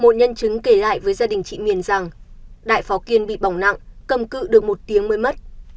một nhân chứng kể lại với gia đình chị miền rằng đại phó kiên bị bỏng nặng cầm cự được một tiếng mới mất